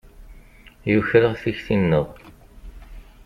Yuker-aɣ tikti-nneɣ.